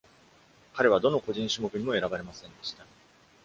彼はどの個人種目にも選ばれませんでした。